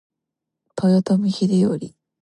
豊臣秀頼